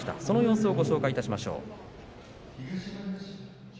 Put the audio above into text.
その様子をご紹介いたしましょう。